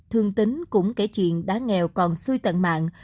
thương tín cũng kể chuyện đáng nghèo còn xui tận mạng